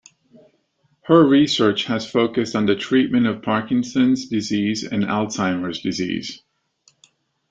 Her research has focused on the treatment of Parkinson's disease and Alzheimer's disease.